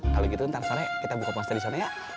kalo gitu ntar sore kita buka puasa disana ya